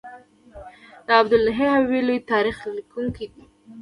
عبدالحی حبیبي لوی تاریخ لیکونکی و.